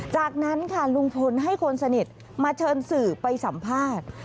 จากนั้นค่ะลุงพลให้คนสนิทมาเชิญสื่อไปสัมภาษณ์